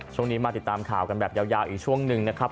ช่วงนี้มาติดตามข่าวกันแบบยาวอีกช่วงหนึ่งนะครับ